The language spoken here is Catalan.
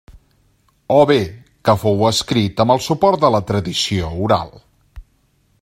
O bé que fou escrit amb el suport de la tradició oral.